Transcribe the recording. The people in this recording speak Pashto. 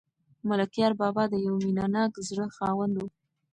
ملکیار بابا د یو مینه ناک زړه خاوند و.